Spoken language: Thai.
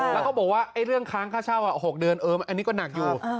แล้วเขาบอกว่าเรื่องค้างค่าเช่า๖เดือนอันนี้ก็หนักอยู่